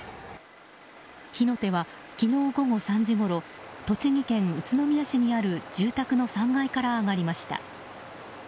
火の手は昨日午後３時ごろ栃木県宇都宮市にある住宅の３階から上がりました。